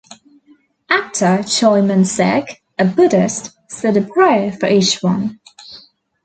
Actor Choi Min-sik, a Buddhist, said a prayer for each one.